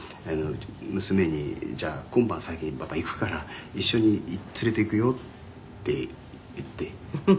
「娘に“じゃあ今晩先にパパ行くから一緒に連れて行くよ”って言って」